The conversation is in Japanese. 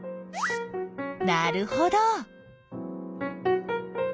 なるほど。